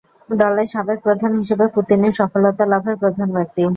দলের সাবেক প্রধান হিসেবে পুতিন এর সফলতা লাভের প্রধান ব্যক্তি।